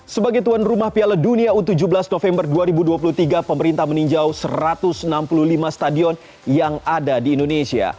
sebagai tuan rumah piala dunia u tujuh belas november dua ribu dua puluh tiga pemerintah meninjau satu ratus enam puluh lima stadion yang ada di indonesia